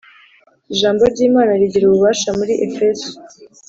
Ijambo ry ‘imana rigira ububasha muri Efeso.